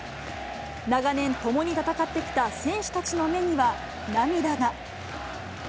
長年、共に戦ってきた選手たちの目には涙が。